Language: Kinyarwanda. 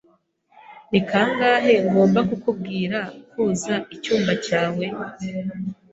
Ni kangahe ngomba kukubwira koza icyumba cyawe?